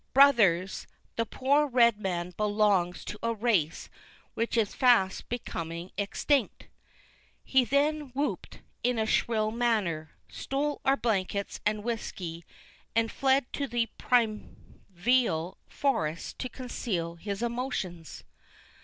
Brothers! the poor red man belongs to a race which is fast becomin extink." He then whooped in a shrill manner, stole our blankets, and whisky, and fled to the primeval forest to conceal his emotions.